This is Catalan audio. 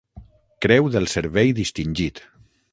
Creu del Servei Distingit.